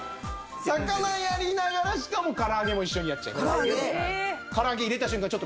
魚やりながらしかもから揚げも一緒にやっちゃいます。